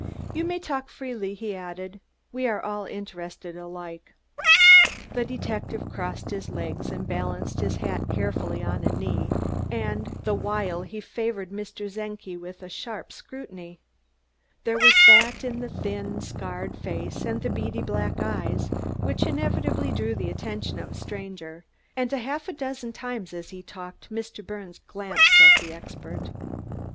"You may talk freely," he added. "We are all interested alike." The detective crossed his legs and balanced his hat carefully on a knee, the while he favored Mr. Czenki with a sharp scrutiny. There was that in the thin, scarred face and in the beady black eyes which inevitably drew the attention of a stranger, and half a dozen times as he talked Mr. Birnes glanced at the expert.